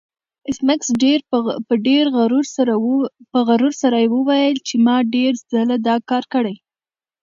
ایس میکس په غرور سره وویل چې ما ډیر ځله دا کار کړی